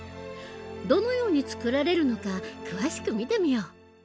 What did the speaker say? どのように作られるのか詳しく見てみよう！